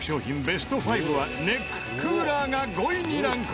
ベスト５はネッククーラーが５位にランクイン。